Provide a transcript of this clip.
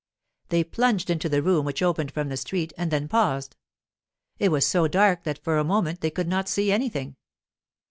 They plunged into the room which opened from the street, and then paused. It was so dark that for a moment they could not see anything.